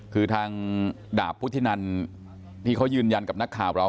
คือทางดาบพุทธินันที่เขายืนยันกับนักข่าวเรา